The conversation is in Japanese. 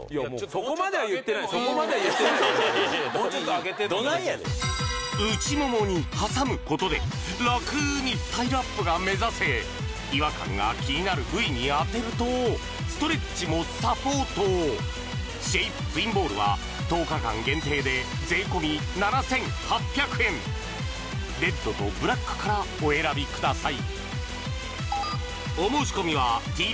そこまでは言ってない我々ももうちょっと上げてっていやいやどないやねん内ももに挟むことで楽にスタイルアップが目指せ違和感が気になる部位に当てるとストレッチもサポートシェイプツインボールは１０日間限定で税込７８００円レッドとブラックからお選びください